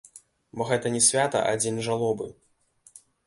Бо гэта не свята, а дзень жалобы.